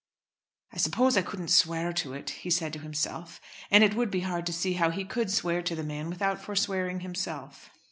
"I suppose I couldn't swear to it," he said to himself; and it would be hard to see how he could swear to the man without forswearing himself.